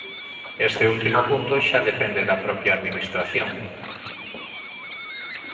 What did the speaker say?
Este último punto xa depende da propia Administración.